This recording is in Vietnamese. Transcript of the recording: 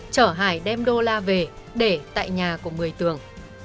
chở hải đem đô la về để tại nhà của mười tường